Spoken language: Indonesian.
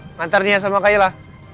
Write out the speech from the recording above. mengantarnya sama kayla